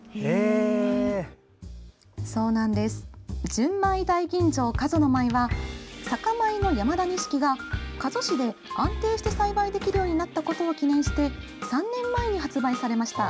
純米大吟醸加須の舞は酒米の山田錦が、加須市で安定して栽培できるようになったことを記念して３年前に発売されました。